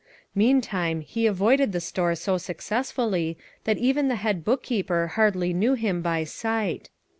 Meantime, he avoided the store so successfully that even the head bookkeeper hardly knew him by sight.